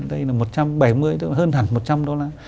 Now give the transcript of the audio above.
đây là một trăm bảy mươi hơn hẳn một trăm linh đô la